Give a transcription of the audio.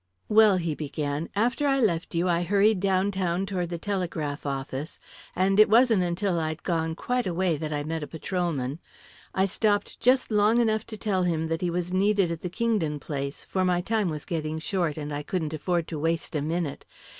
"Well," he began, "after I left you, I hurried downtown toward the telegraph office, and it wasn't until I'd gone quite a way that I met a patrolman. I stopped just long enough to tell him that he was needed at the Kingdon place, for my time was getting short, and I couldn't afford to waste a minute.